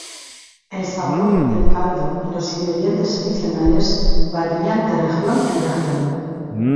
El sabor del caldo y los ingredientes adicionales varían de región en región.